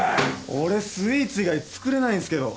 俺スイーツ以外作れないんすけど。